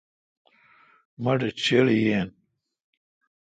مٹھ چِھڑ یین۔